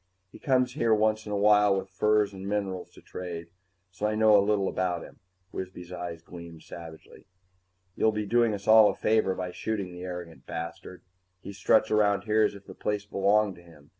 He comes here once in a while with furs and minerals to trade, so I know a little about him." Wisby's eyes gleamed savagely. "You'll be doing us all a favor by shooting the arrogant bastard. He struts around here as if the place belonged to him.